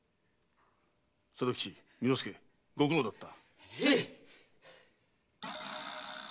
佐渡吉蓑助ご苦労だった。